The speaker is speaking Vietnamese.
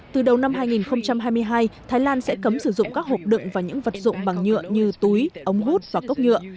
từ đầu năm hai nghìn hai mươi hai thái lan sẽ cấm sử dụng các hộp đựng và những vật dụng bằng nhựa như túi ống hút và cốc nhựa